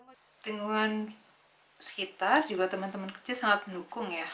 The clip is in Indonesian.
dengan sekitar juga teman teman kecil sangat mendukung ya